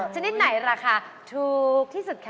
ชนิดไหนราคาถูกที่สุดคะ